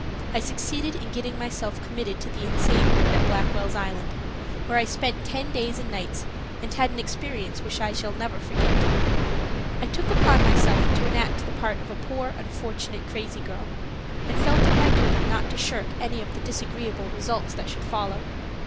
I succeeded in getting committed to the insane ward at Blackwell's Island, where I spent ten days and nights and had an experience which I shall never forget. I took upon myself to enact the part of a poor, unfortunate crazy girl, and felt it my duty not to shirk any of the disagreeable results that should follow.